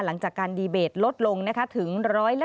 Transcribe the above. หลังจากการดีเบตลดลงถึง๑๕